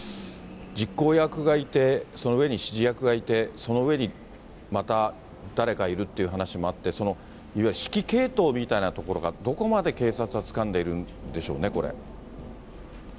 実行役がいて、その上に指示役がいて、その上にまた誰かいるっていう話もあって、そのいわゆる指揮系統みたいなところが、どこまで警察はつかんでいるんでしょうね、これ。